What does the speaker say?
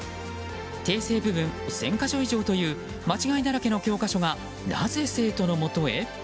訂正部分１０００か所以上という間違いだらけの教科書がなぜ生徒のもとへ？